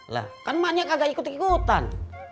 lah kan banyak kagak ikut ikutan